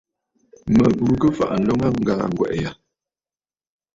Mə bùrə kɨ fàʼà ǹloln aa ŋgaa ŋgwɛ̀ʼɛ̀ yâ.